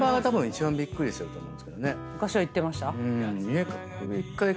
昔は行ってました？